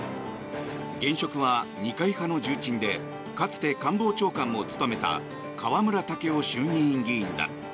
現職は二階派の重鎮でかつて官房長官も務めた河村建夫衆議院議員だ。